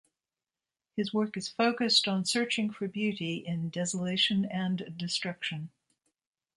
His work is focused on searching for beauty in desolation and destruction.